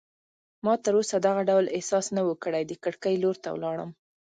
ما تراوسه دغه ډول احساس نه و کړی، د کړکۍ لور ته ولاړم.